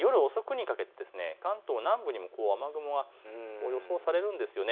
さらに夜遅くにかけて関東南部にも雨雲が予想されるんです。